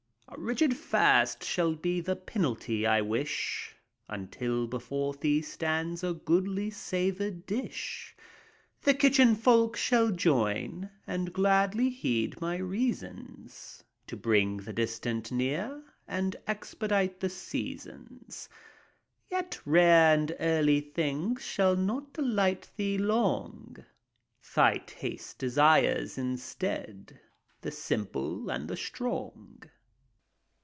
A rigid fast shall be the penalty I wish. Until before thee stands a goodly savored dish. The kitchen folk shall join, and gladly heed my reasons To bring the distant near and expedite the seasons. 218 FAUST. Yet rare and early things shall not delight thee long : Thy taste desires, instead, the simple and the strong.